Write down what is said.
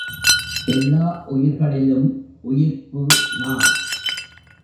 எல்லா உயிர்களிலும் உயிர்ப்பு நான்.